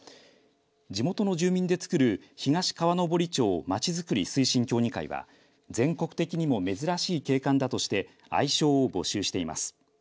地元の住民でつくる東川登町まちづくり推進協議会は全国的にも珍しい景観だとして愛称を募集しています。